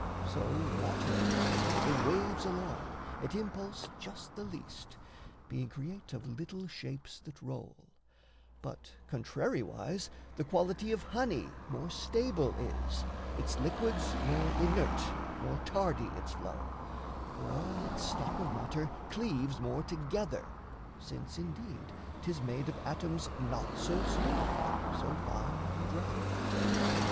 So water moves, In waves along, at impulse just the least Being create of little shapes that roll; But, contrariwise, the quality of honey More stable is, its liquids more inert, More tardy its flow; for all its stock of matter Cleaves more together, since, indeed, 'tis made Of atoms not so smooth, so fine, and round.